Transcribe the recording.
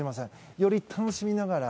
より楽しみながら。